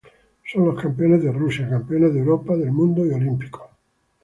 Son los campeones de Rusia, campeones de Europa, del mundo y olímpicos.